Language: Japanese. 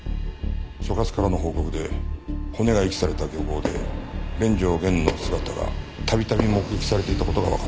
所轄からの報告で骨が遺棄された漁港で連城源の姿が度々目撃されていた事がわかった。